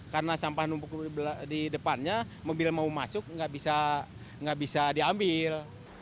karena sampah numpuk di depannya mobil mau masuk nggak bisa diambil